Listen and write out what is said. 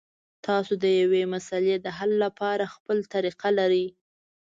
تاسو د یوې مسلې د حل لپاره خپله طریقه لرئ.